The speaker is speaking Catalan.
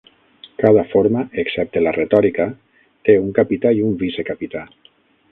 Cada forma, excepte la retòrica, té un capità i un vicecapità.